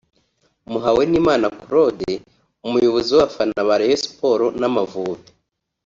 Muhawenimana Claude (Umuyobozi w’abafana ba Rayon Sports n’Amavubi)